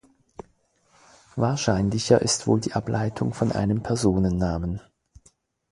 Wahrscheinlicher ist wohl die Ableitung von einem Personennamen.